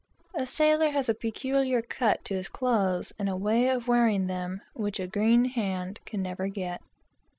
A sailor has a peculiar cut to his clothes, and a way of wearing them which a green hand can never get.